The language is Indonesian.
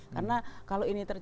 karena kalau ini terjadi